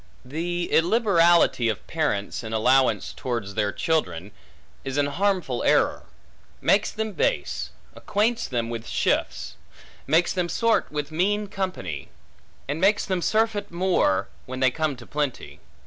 The illiberality of parents, in allowance towards their children, is an harmful error; makes them base; acquaints them with shifts; makes them sort with mean company; and makes them surfeit more when they come to plenty.